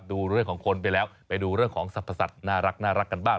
ดูเรื่องของคนไปแล้วไปดูเรื่องของสรรพสัตว์น่ารักกันบ้าง